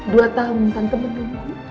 dua tahun tante menunggu